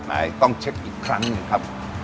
ไหนต้องเช็คอีกครั้งหนึ่งครับ